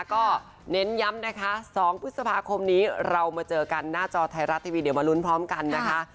ก็เน้นย้ำนะคะ๒พฤษภาคมนี้เรามาเจอกันหน้าจอไทยรัฐทีวีเดี๋ยวมาลุ้นพร้อมกันนะคะ